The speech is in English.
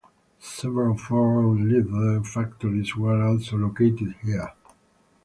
Several fur and leather factories were also located here.